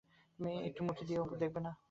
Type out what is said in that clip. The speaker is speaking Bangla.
তুমি একটু মুখে দিয়েও দেখবে না?